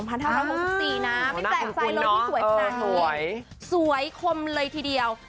ไม่แปลกใจเลยที่สวยขนาดนี้สวยคมเลยทีเดียว